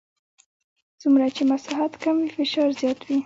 څومره چې مساحت کم وي فشار زیات وي.